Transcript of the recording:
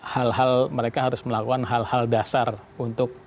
hal hal mereka harus melakukan hal hal dasar untuk